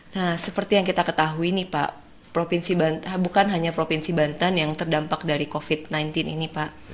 nah seperti yang kita ketahui nih pak bukan hanya provinsi banten yang terdampak dari covid sembilan belas ini pak